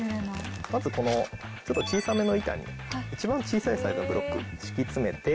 まずこの小さめの板に一番小さいサイズのブロック敷き詰めて。